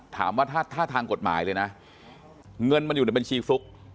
ถามว่าถ้าทางกฎหมายเลยนะเงินมันอยู่ในบัญชีฟลุ๊ก